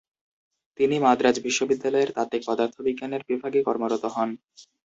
তিনি মাদ্রাজ বিশ্ববিদ্যালয়ের তাত্ত্বিক পদার্থবিজ্ঞানের বিভাগে কর্মরত হন।